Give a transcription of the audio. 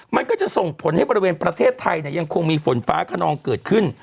มันก็จะส่งผลให้บริเวณประเทศไทยยังคงมีฝนฟ้าขนองเกิดขึ้น